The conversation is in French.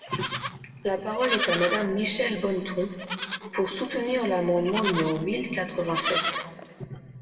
La parole est à Madame Michèle Bonneton, pour soutenir l’amendement numéro mille quatre-vingt-sept.